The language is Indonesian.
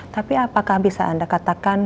tapi apakah bisa anda katakan